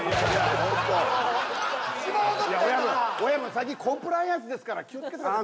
最近コンプライアンスですから気をつけてください。